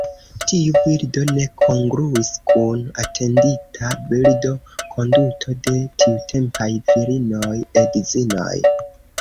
Tiu bildo ne kongruis kun atendita bildo, konduto de tiutempaj virinoj, edzinoj.